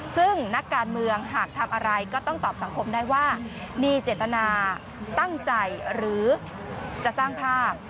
ซึ่งนักการเมืองหากทำอะไรก็ต้องตอบสังคมได้ว่ามีเจตนาตั้งใจหรือจะสร้างภาพ